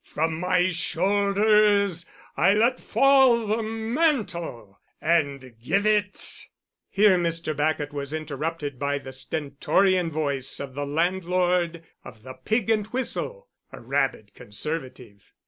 From my shoulders I let fall the mantle, and give it " Here Mr. Bacot was interrupted by the stentorian voice of the landlord of the Pig and Whistle (a rabid Conservative).